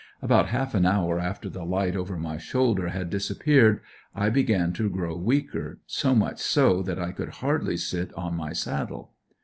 About half an hour after the light over my shoulder had disappeared I began to grow weaker, so much so that I could hardly sit on my saddle.